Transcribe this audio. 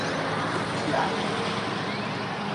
錫器